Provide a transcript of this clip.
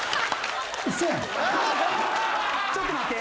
ちょっと待って。